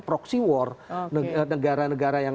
proxy war negara negara yang